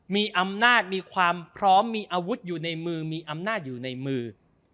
มีอำนาจมีความพร้อมมีอาวุธอยู่ในมือมีอำนาจอยู่ในมือ